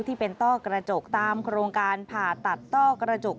ต้อกระจกตามโครงการผ่าตัดต้อกระจก